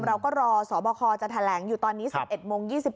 เราก็รอสบคจะแถลงอยู่ตอนนี้๑๑โมง๒๔